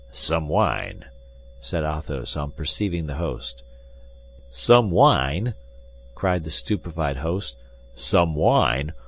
"Some wine!" said Athos, on perceiving the host. "Some wine!" cried the stupefied host, "some wine?